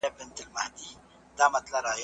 د سياست د عربي او انګريزي ماناوو پرتله وکړئ.